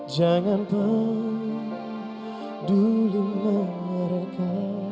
jangan paduli mereka